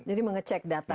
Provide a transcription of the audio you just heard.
jadi mengecek datanya